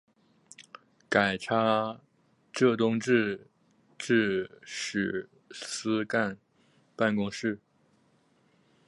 改差浙东制置使司干办公事。